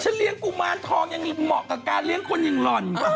เลี้ยงกุมารทองยังมีเหมาะกับการเลี้ยงคนอย่างหล่อน